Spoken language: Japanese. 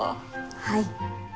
はい。